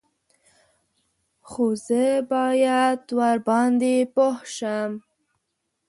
_خو زه بايد ورباندې پوه شم.